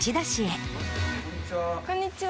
こんにちは。